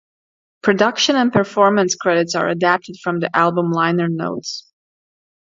Production and performance credits are adapted from the album liner notes.